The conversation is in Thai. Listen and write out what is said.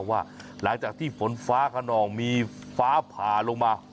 ว่าหลังจากที่ฝนฟ้าขนองมีฟ้าผ่าลงมา